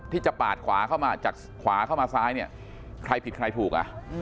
ที่จะปาดขวาเข้ามาจากขวาเข้ามาซ้ายเนี่ยใครผิดใครถูกอ่ะ